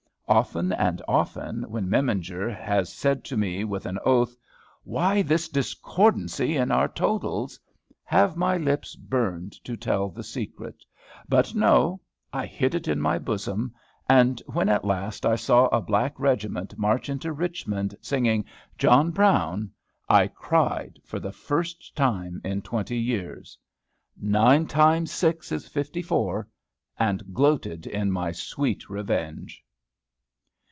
Often and often, when Memminger has said to me, with an oath, "Why this discordancy in our totals?" have my lips burned to tell the secret! But no! I hid it in my bosom. And when, at last, I saw a black regiment march into Richmond, singing "John Brown," I cried, for the first time in twenty years, "Nine times six is fifty four;" and gloated in my sweet revenge.